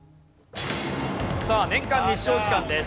さあ年間日照時間です。